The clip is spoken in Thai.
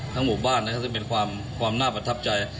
หมู่บ้านนะครับซึ่งเป็นความน่าประทับใจ